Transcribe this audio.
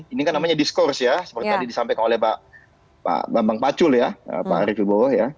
ini kan namanya diskurs ya seperti tadi disampaikan oleh pak bambang pacul ya pak arief wibowo ya